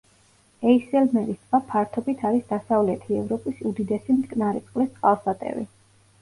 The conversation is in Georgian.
ეისელმერის ტბა ფართობით არის დასავლეთი ევროპის უდიდესი მტკნარი წყლის წყალსატევი.